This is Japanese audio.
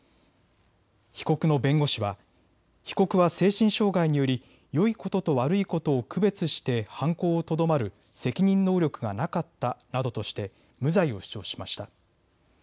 被告の弁護士は被告は精神障害によりよいことと悪いことを区別して犯行をとどまる責任能力がなかったなどとして無罪を主張しました。